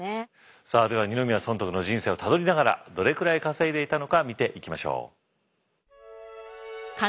さあでは二宮尊徳の人生をたどりながらどれくらい稼いでいたのか見ていきましょう。